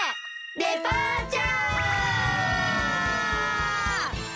デパーチャー！